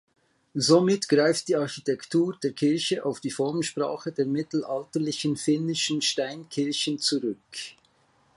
Somit greift die Architektur der Kirche auf die Formensprache der mittelalterlichen finnischen Steinkirchen zurück.